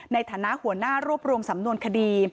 ในฐานะหัวหน้ารวบรวมสำนวนคดี